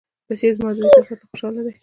بصیر زما دې سفر ته خوشاله دی.